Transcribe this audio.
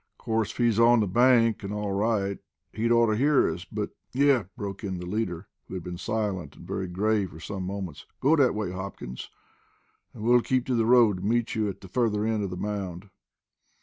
Course, if he's on the bank, an' all right, he'd ort to hear us but " "Yes," broke in the leader, who had been silent and very grave for some moments. "Go that way, Hopkins, and we'll keep to the road and meet you at the further end of the mound."